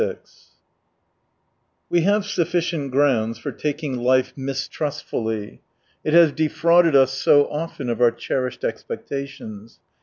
86 We have sufficient grounds for taking life inistrustfuUy : it has defrauded us so often of our cherished expectations.